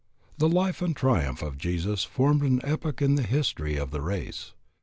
... The life and triumph of Jesus formed an epoch in the history of the race.